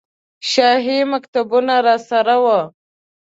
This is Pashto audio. شاهي مکتوبونه راسره وو.